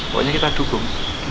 pokoknya kita dukung